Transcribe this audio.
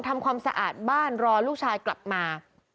ทำความสะอาดบ้านรอลูกชายกลับมา